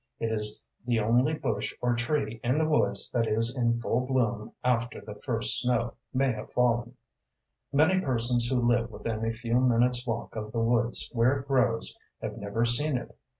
It is the only bush or tree in the woods that is in full bloom after the first snow may have fallen. Many persons who live within a few minutes’ walk of the woods where it grows have never seen it.